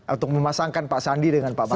untuk memasangkan pak sandi dengan pak mbak neng